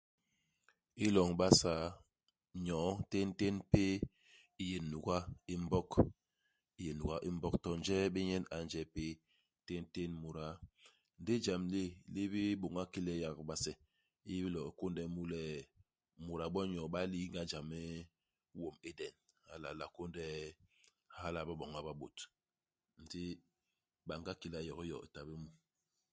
I loñ i Basaa, nyoo, téntén péé i yé nuga i Mbog, i yé nuga i Mbog, to njee bé nyen a nje péé, téntén muda. Ndi ijam li bibôña ki le yak bibase bi bilo i kônde mu le muda bo nyoo ba ligna jam i wom u Eden. Hala a lo a kônde hala i baboña ba bôt. Ndi banga kila yokiyo i ta bé mu.